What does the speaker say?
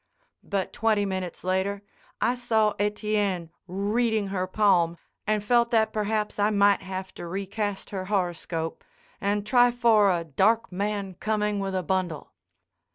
But twenty minutes later I saw Etienne reading her palm and felt that perhaps I might have to recast her horoscope, and try for a dark man coming with a bundle.